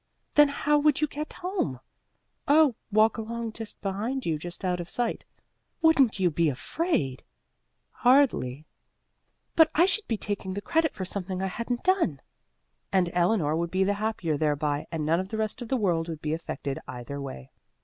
"Then how would you get home?" "Oh, walk along behind you, just out of sight." "Wouldn't you be afraid?" "Hardly." "But I should be taking the credit for something I hadn't done." "And Eleanor would be the happier thereby and none of the rest of the world would be affected either way."